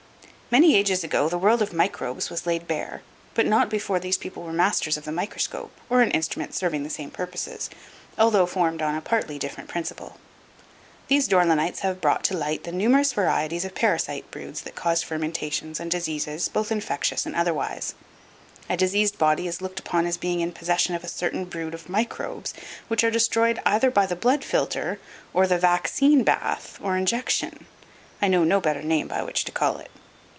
Many ages ago the world of microbes was laid bare, but not before these people were masters of the microscope or an instrument serving the same purposes, although formed on a partly different principle. These Dore lynites have brought to light the numerous varieties of parasite broods that cause fermentations and diseases, both infectious and otherwise. A diseased body is looked upon as being in possession of a certain brood of microbes which are destroyed either by the blood filter or the "Vaccine bath, or injection." (I know no better name by which to call it.)